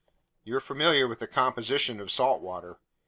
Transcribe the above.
"You're familiar with the composition of salt water.